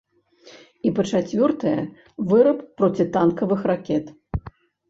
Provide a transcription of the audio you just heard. І, па-чацвёртае, выраб процітанкавых ракет.